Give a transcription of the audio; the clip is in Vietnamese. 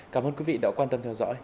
cảm ơn quý vị đã quan tâm theo dõi